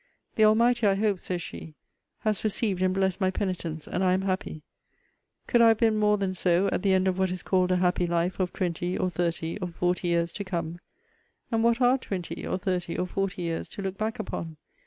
'The Almighty, I hope,' says she, 'has received and blessed my penitence, and I am happy. Could I have been more than so at the end of what is called a happy life of twenty, or thirty, or forty years to come? And what are twenty, or thirty, or forty years to look back upon?